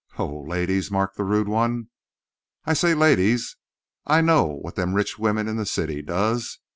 "Ho! ladies!" mocked the rude one. "I say ladies! I know what them rich women in the city does.